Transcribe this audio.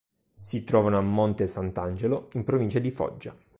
Si trovano a Monte Sant'Angelo, in provincia di Foggia.